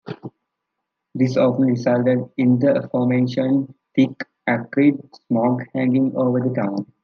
This often resulted in the aforementioned thick, acrid smog hanging over the town.